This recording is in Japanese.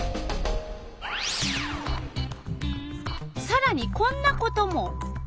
さらにこんなことも。